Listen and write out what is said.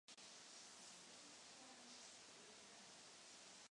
Na Australian Open v Melbourne dosáhl druhé grandslamové finálové účasti v kariéře.